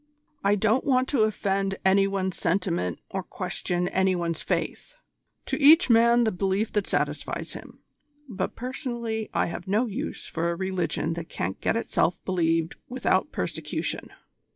I don't want to offend any one's sentiment or question any one's faith. To each man the belief that satisfies him, but personally I have no use for a religion that can't get itself believed without persecution."